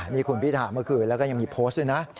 นี่คุณพิธาเมื่อคืนแล้วก็ยังมีโพสต์ด้วยนะ